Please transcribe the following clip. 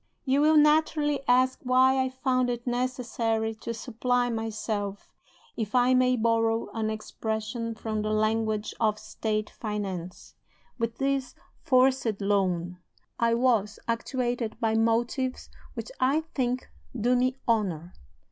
"You will naturally ask why I found it necessary to supply myself (if I may borrow an expression from the language of State finance) with this 'forced loan.' I was actuated by motives which I think do me honor.